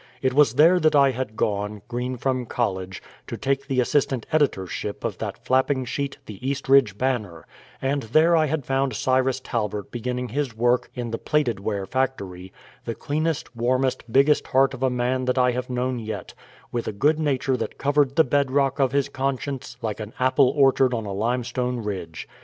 It was there that I had gone, green from college, to take the assistant editorship of that flapping sheet The Eastridge Banner; and there I had found Cyrus Talbert beginning his work in the plated ware factory the cleanest, warmest, biggest heart of a man that I have known yet, with a good nature that covered the bed rock of his conscience like an apple orchard on a limestone ridge.